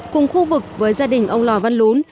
cùng khu vực với gia đình ông lò văn lún